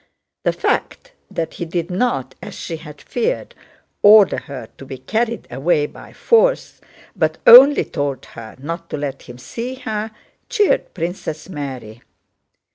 The fact that he did not, as she had feared, order her to be carried away by force but only told her not to let him see her cheered Princess Mary.